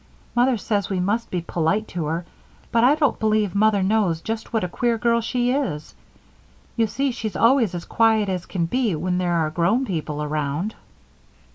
Mother says we must be polite to her, but I don't believe Mother knows just what a queer girl she is you see she's always as quiet as can be when there are grown people around."